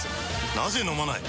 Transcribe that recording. なぜ飲まない？